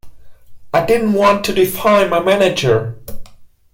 I didn't want to defy my manager.